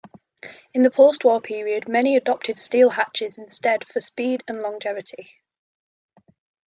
In the postwar period many adopted steel hatches instead for speed and longevity.